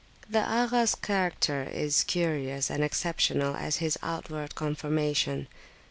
The Agha's character is curious and exceptional as his outward conformation.